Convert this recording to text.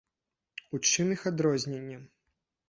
У чым іх адрозненні?